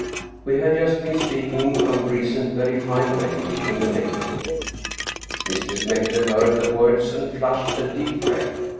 " (We had just been speaking of a recent very fine wedding in the neighborhood.) Mistress Mette heard the words and flushed a deep red.